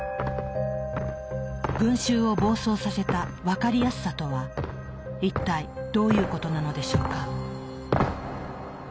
群衆を暴走させた「わかりやすさ」とは一体どういうことなのでしょうか。